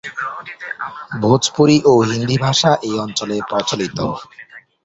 ভোজপুরি ও হিন্দি ভাষা এই অঞ্চলে প্রচলিত।